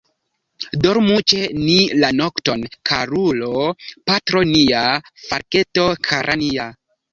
Dormu ĉe ni la nokton, karulo, patro nia, falketo kara nia.